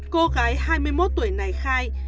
cô gái hai mươi một tuổi này khai